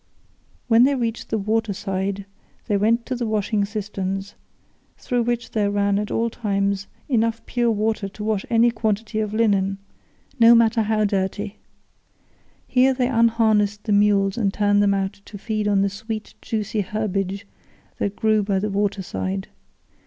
When they reached the water side they went to the washing cisterns, through which there ran at all times enough pure water to wash any quantity of linen, no matter how dirty. Here they unharnessed the mules and turned them out to feed on the sweet juicy herbage that grew by the water side.